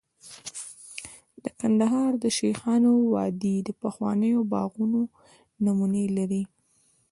د کندهار د شیخانو وادي د پخوانیو باغونو نمونې لري